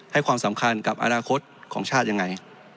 ให้ความสำคัญกับอนาคตของชาติยังไง